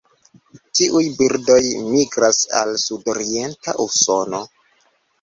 Tiuj birdoj migras al sudorienta Usono.